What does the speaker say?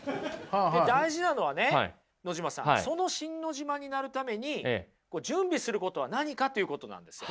大事なのはね野島さんそのシン・ノジマになるために準備することは何かということなんですよ。